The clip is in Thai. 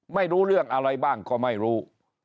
ไม่รู้เรื่องอะไรบ้างก็ไม่รู้